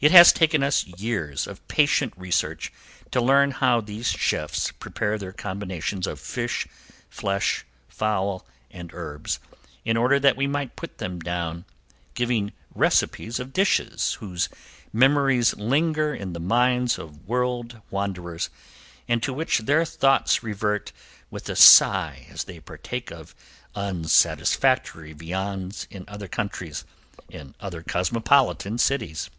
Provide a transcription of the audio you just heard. It has taken us years of patient research to learn how these chefs prepare their combinations of fish, flesh, fowl, and herbs, in order that we might put them down, giving recipes of dishes whose memories linger in the minds of world wanderers, and to which their thoughts revert with a sigh as they partake of unsatisfactory viands in other countries and other cosmopolitan cities.